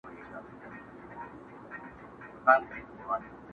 هغه چنار ته د مرغیو ځالګۍ نه راځي.!